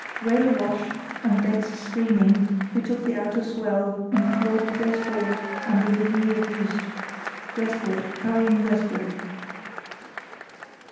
Rail awash, and decks streaming, we took the outer swell and clawed close hauled under the lee of Juist, westward, hurrying westward.